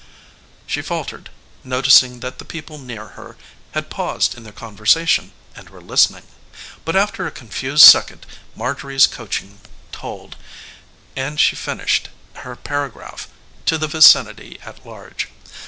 She faltered noticing that the people near her had paused in their conversation and were listening; but after a confused second Marjorie's coaching told, and she finished her paragraph to the vicinity at large.